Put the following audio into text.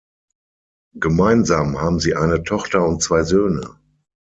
Gemeinsam haben sie eine Tochter und zwei Söhne.